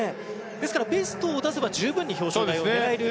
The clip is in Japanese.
ですからベストを出せば十分に表彰台を狙える。